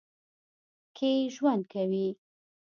کښې ژؤند کوي